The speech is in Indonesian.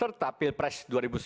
serta pilpres dua ribu sembilan belas